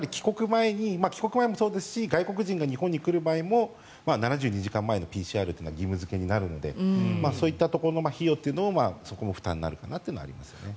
帰国前もそうですし外国人が日本に来る前にも７２時間前のＰＣＲというのは義務付けになるのでそういった費用というのもそこも負担になるかなというのはありますね。